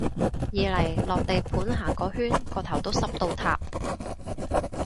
二嚟落地盤行個圈個頭都濕到塌